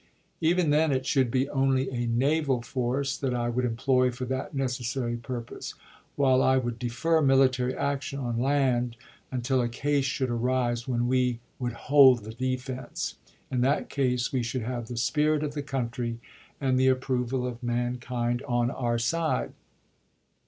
Even then it should be only a naval force that I would employ for that necessary purpose, while I would defer military action on land until a case should arise when we would hold the defense. In that case, we should sewardto have the spirit of the country and the approval of Mar.15,1861. mankind on our side."